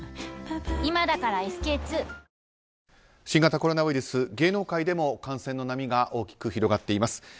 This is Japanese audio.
新型コロナウイルス芸能界でも感染の波が大きく広がっています。